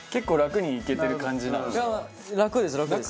楽です楽です！